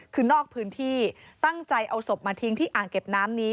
คือนอกพื้นที่ตั้งใจเอาศพมาทิ้งที่อ่างเก็บน้ำนี้